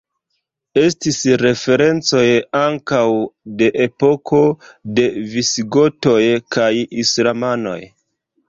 Estis referencoj ankaŭ de epoko de visigotoj kaj islamanoj.